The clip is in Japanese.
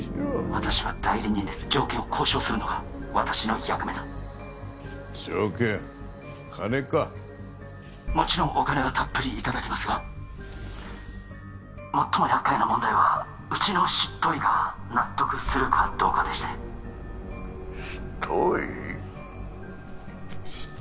私は代理人です条件を交渉するのが私の役目だ条件金かもちろんお金はたっぷりいただきますが最も厄介な問題はうちの執刀医が納得するかどうかでして執刀医？